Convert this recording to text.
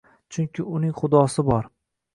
Chunki uning Xudosi bor.